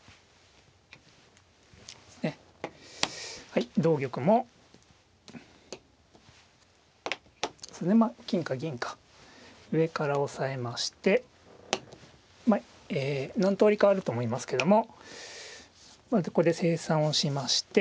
はい同玉もまあ金か銀か上から押さえましてえ何通りかあると思いますけどもこれで清算をしまして。